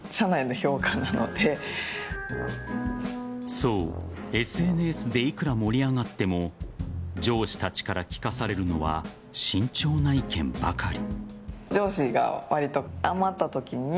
そう、ＳＮＳでいくら盛り上がっても上司たちから聞かされるのは慎重な意見ばかり。